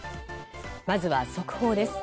まずは速報です。